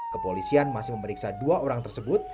kepolisian masih memeriksa dua orang tersebut